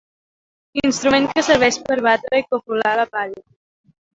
Instrument que serveix per batre i capolar la palla.